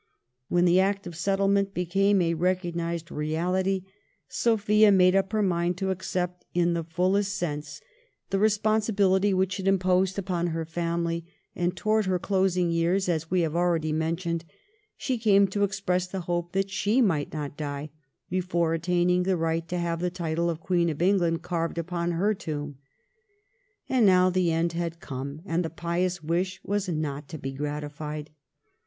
When the Act of Settle ment became a recognised reality Sophia made up her mind to accept, in the fullest sense, the 1714 THE ELECTRESS'S HOPE. 279 responsibility which, it imposed upon her family, and towards her closing years, as we have already mentioned, she came to express the hope that she might not die before attaining the right to have the title of Queen of England carved upon her tomb. And now the end had come, and the pious wish was not to be gratified.